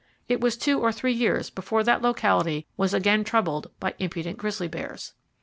It was two or three years before that locality was again troubled by impudent grizzly bears.